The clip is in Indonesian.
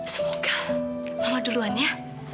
semoga mama duluan ya